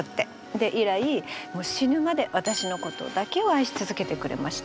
で以来もう死ぬまで私のことだけを愛し続けてくれました。